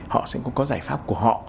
họ sẽ cũng có giải pháp của họ